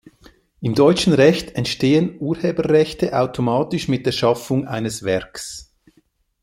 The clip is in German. Im deutschen Recht entstehen Urheberrechte automatisch mit der Schaffung eines Werks.